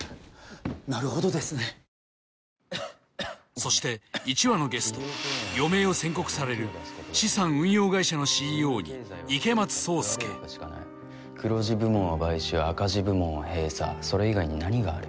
そして１話のゲスト余命を宣告される資産運用会社のＣＥＯに池松壮亮黒字部門は買収赤字部門は閉鎖それ以外に何がある？